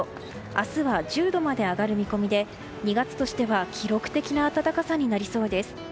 明日は１０度まで上がる見込みで２月としては記録的な暖かさになりそうです。